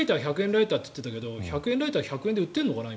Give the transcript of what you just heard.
ライターって言ってましたけど１００円ライター１００円で売っているのかな？